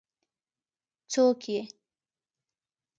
څوک يې ؟